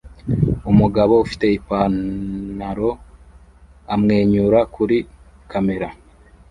Umugabo ufite Ipanaro amwenyura kuri kamera